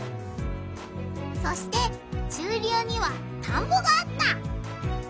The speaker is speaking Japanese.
そして中流にはたんぼがあった。